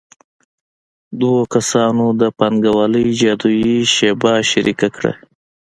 دوه کسانو د پانګوالۍ جادويي شیبه شریکه کړه